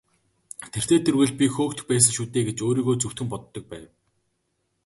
Тэртэй тэргүй л би хөөгдөх байсан шүү дээ гэж өөрийгөө зөвтгөн боддог байв.